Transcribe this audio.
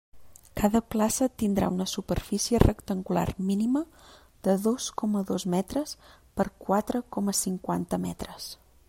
Cada plaça tindrà una superfície rectangular mínima de dos coma dos metres per quatre coma cinquanta metres.